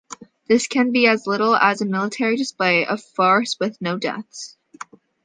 This can be as little as a military display of force with no deaths.